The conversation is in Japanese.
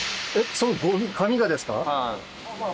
その紙がですか？